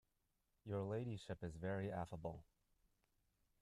Your ladyship is very affable.